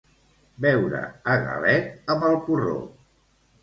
Beure a galet amb el porró